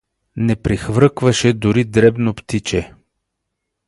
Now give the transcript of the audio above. Не прехвъркваше дори дребно птиче.